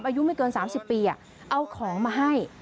อายุไม่เกิน๓๐ปีเอาของมาให้